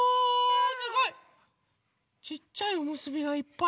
すごい！ちっちゃいおむすびがいっぱい。